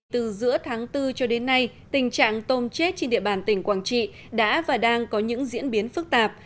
từ giữa tháng bốn cho đến nay tình trạng tôm chết trên địa bàn tỉnh quảng trị đã và đang có những diễn biến phức tạp